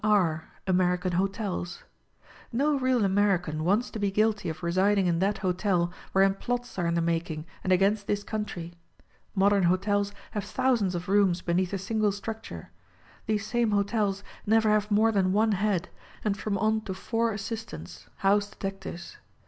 IR. American Hotels. No real American wants to be guilty of residing in that hotel wherein plots are in the making and against this country. Modern hotels have thousands of rooms beneath a single structure. _ These same hotels never have more than one head, and from on to four assistants, house detectives.